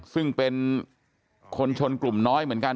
ซึ่งเป็นคนชนกลุ่มน้อยเหมือนกัน